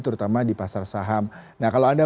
terutama di pasar saham nah kalau anda